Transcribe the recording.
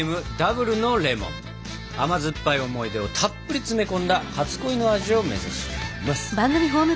甘酸っぱい思い出をたっぷり詰め込んだ初恋の味を目指します！